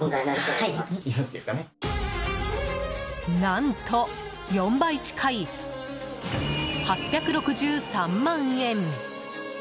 何と、４倍近い８６３万円。